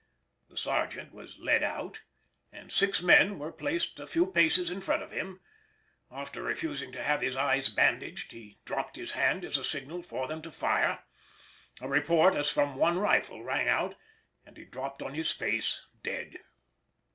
The sergeant was led out, and six men were placed a few paces in front of him; after refusing to have his eyes bandaged, he dropped his hand as a signal for them to fire; a report as from one rifle rang out, and he dropped on his face dead.